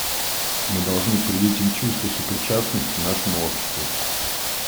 Мы должны привить им чувство сопричастности нашему обществу.